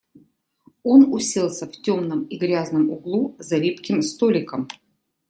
Он уселся в темном и грязном углу, за липким столиком.